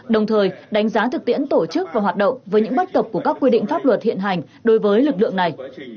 đồng thời đánh giá thực tiễn tổ chức và hoạt động với những bất cập của các quy định pháp luật hiện hành đối với lực lượng này